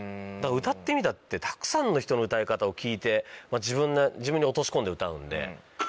「歌ってみた」ってたくさんの人の歌い方を聴いて自分に落とし込んで歌うんで。